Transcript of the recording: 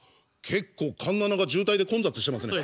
結構環７が渋滞で混雑してますね。